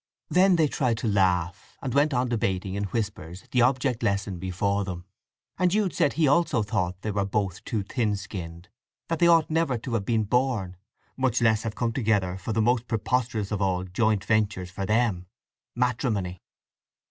Then they tried to laugh, and went on debating in whispers the object lesson before them. And Jude said he also thought they were both too thin skinned—that they ought never to have been born—much less have come together for the most preposterous of all joint ventures for them—matrimony.